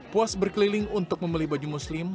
puas berkeliling untuk membeli baju muslim